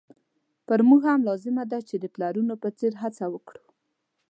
پر موږ هم لازمه ده چې د پلرونو په څېر هڅه وکړو.